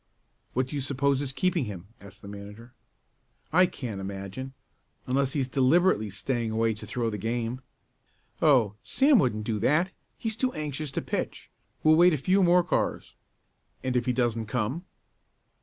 "What do you suppose is keeping him?" asked the manager. "I can't imagine. Unless he is deliberately staying away to throw the game." "Oh, Sam wouldn't do that. He's too anxious to pitch. We'll wait a few more cars." "And if he doesn't come?"